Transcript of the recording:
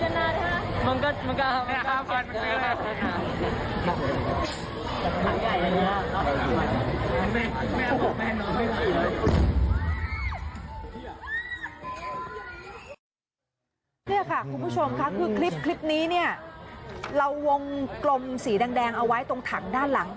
นี่ค่ะคุณผู้ชมค่ะคือคลิปนี้เนี่ยเราวงกลมสีแดงเอาไว้ตรงถังด้านหลัง